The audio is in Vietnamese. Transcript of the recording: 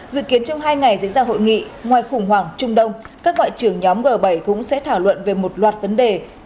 dự kiến trong hai ngày diễn ra hội nghị ngoài khủng hoảng trung đông các ngoại trưởng nhóm g bảy cũng sẽ thảo luận về một loạt vấn đề